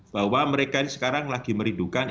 bahwa mereka ini sekarang lagi merindukan